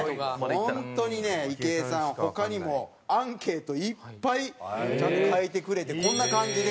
本当にね池江さんは他にもアンケートいっぱいちゃんと書いてくれてこんな感じで。